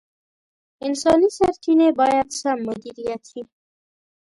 انساني سرچیني باید سم مدیریت شي.